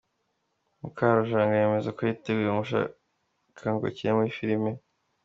Mukarujanga yemeza ko yiteguye uwamushaka ngo akine muri filime.